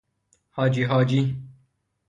حاجی حاجی